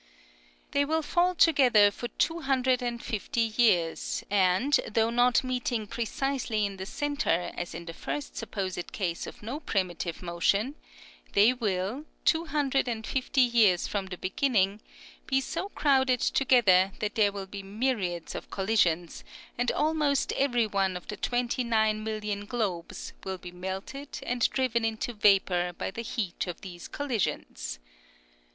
They will fall together for two hundred and fifty years, and though not meeting precisely in the centre as in the first sup posed case of no primitive motion, they will, two hundred and fifty years from the beginning, be so crowded together that there will be myriads of collisions, and almost every one of the twenty nine million globes will be melted and driven into vapor by the heat of these collisions.